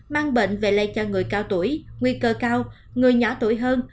mang bệnh về lây cho người cao tuổi nguy cơ cao người nhỏ tuổi hơn